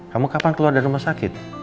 kamu kapan keluar dari rumah sakit